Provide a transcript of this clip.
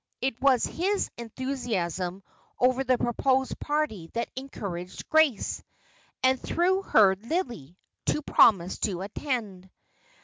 It was his enthusiasm over the proposed party that encouraged Grace and through her, Lillie to promise to attend.